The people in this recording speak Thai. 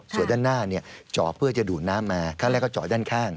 ส่วนด้านหน้าเนี่ยเจาะเพื่อจะดูดน้ำมาครั้งแรกก็เจาะด้านข้าง